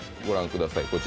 ご覧ください